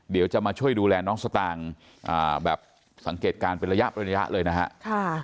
เดี๋ยวจะมาช่วยดูแลน้องสตางค์แบบสังเกตการณ์เป็นระยะเลยนะฮะ